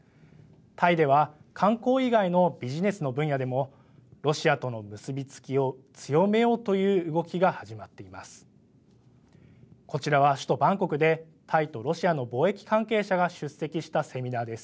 タイでは観光以外のビジネスの分野でもロシアとの結び付きを強めようという動きが始まっています。